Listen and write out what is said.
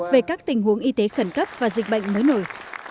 về các tình huống y tế khẩn cấp và dịch bệnh mới nổi